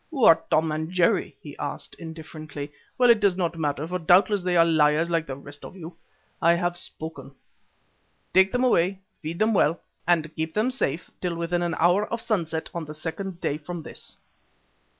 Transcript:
"Who are Tom and Jerry?" he asked, indifferently. "Well, it does not matter, for doubtless they are liars like the rest of you. I have spoken. Take them away, feed them well and keep them safe till within an hour of sunset on the second day from this."